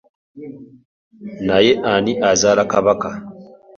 Naye ani azaala Kabaka?